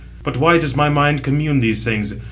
But why does my mind commune these things?